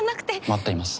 待っています。